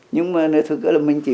nhưng mà nói thật là mình chỉ